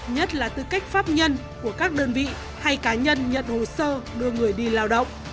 nhất là tư cách pháp nhân của các đơn vị hay cá nhân nhận hồ sơ đưa người đi lao động